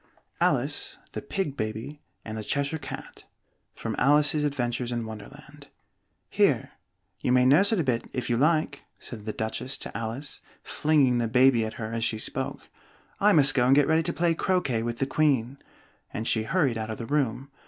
ALICE, THE PIG BABY, AND THE CHESHIRE CAT From 'Alice's Adventures in Wonderland' "Here! you may nurse it a bit, if you like!" said the Duchess to Alice, flinging the baby at her as she spoke. "I must go and get ready to play croquet with the Queen," and she hurried out of the room.